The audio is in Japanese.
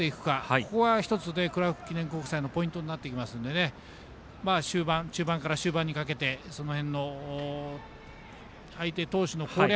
ここが１つ、クラーク記念国際のポイントになってきますので中盤から終盤にかけてその辺の相手投手の攻略